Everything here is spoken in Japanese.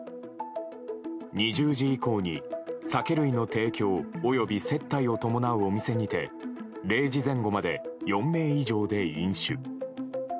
２０時以降に酒類の提供及び接待を伴うお店にて０時前後まで４名以上で飲酒。